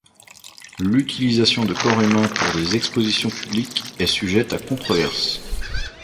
L'utilisation de corps humain pour des expositions publiques est sujette à controverses.